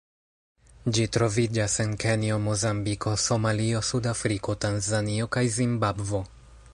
Ĝi troviĝas en Kenjo, Mozambiko, Somalio, Sudafriko, Tanzanio kaj Zimbabvo.